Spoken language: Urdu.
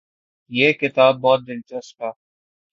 یہ کتاب بہت دلچسپ ہے